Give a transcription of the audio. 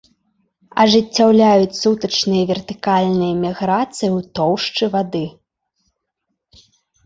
Ажыццяўляюць сутачныя вертыкальныя міграцыі ў тоўшчы вады.